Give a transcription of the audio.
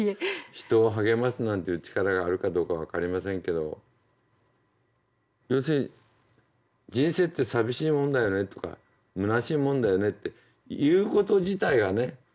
人を励ますなんていう力があるかどうか分かりませんけど要するに人生って寂しいもんだよねとかむなしいもんだよねって言うこと自体がね